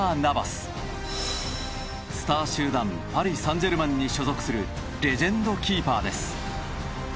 スター集団パリ・サンジェルマンに所属するレジェンドキーパーです。